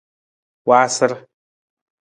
Waasar.